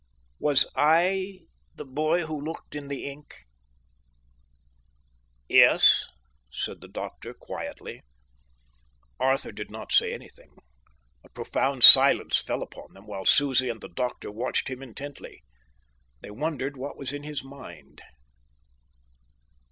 Was I the boy who looked in the ink?" "Yes," said the doctor quietly. Arthur did not say anything. A profound silence fell upon them, while Susie and the doctor watched him intently. They wondered what was in his mind.